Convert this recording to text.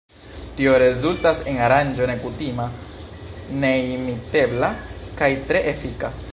Tio rezultas en aranĝo nekutima, neimitebla kaj tre efika.